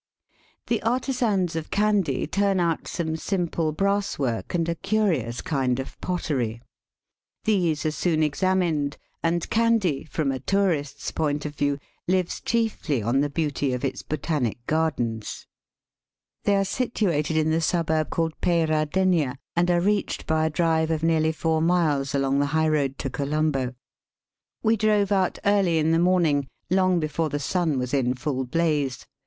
The artisans of Kandy turn out some simple brass work and a curious kind of pottery. These are soon examined, and Kandy, from a tourist's point of view, lives chiefly on the beauty of its Botanic Gardens. They are situated in the suburb called Peradeniya, and are reached by a drive of nearly four miles along the high road to Colombo. We drove Digitized by VjOOQIC 154 EAST BY WEST. out .early in the moming, long before the sun was in fall blaze.